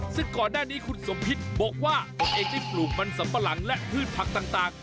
ซึ่งก่อนหน้านี้คุณสมพิษบอกว่าตนเองได้ปลูกมันสัมปะหลังและพืชผักต่าง